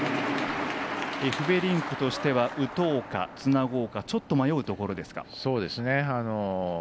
エフベリンクとしては打とうかつなごうかちょっと迷うところですか。